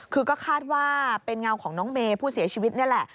คือก็คาดว่าเป็นเงาของน้องเมย์ผู้เสียชีวิตนี่แหละ